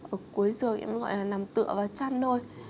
ở cuối giường em gọi là nằm tựa và chăn thôi